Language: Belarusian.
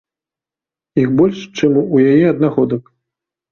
Іх больш, чым у яе аднагодак.